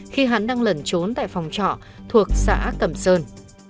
khi hắn đang lẩn trốn tại phòng trọ thuộc xã cẩm sơn